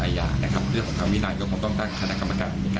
ในการสอบสวนก็จะจริง